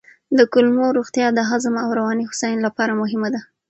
د کولمو روغتیا د هضم او رواني هوساینې لپاره مهمه ده.